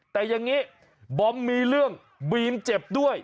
แต่อย่างนี้บอมมีเรื่องบีมเจ็บด้วย